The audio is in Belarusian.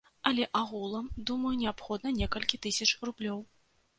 Але агулам, думаю, неабходна некалькі тысяч рублёў.